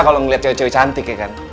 kalau ngeliat cewek cewek cantik ya kan